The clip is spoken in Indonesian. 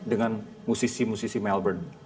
dengan musisi musisi melbourne